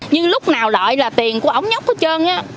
như lúc nào lợi là tiền của ổng nhóc hết trơn á